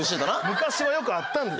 昔はよくあったんですよ。